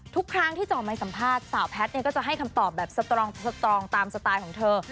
ทุกครั้งที่จ่อไม้สัมภาษณ์สาวแพทย์ก็จะให้คำตอบแบบสตรองสตรองตามสไตล์ของเธอ